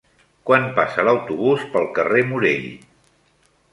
Quan passa l'autobús pel carrer Morell?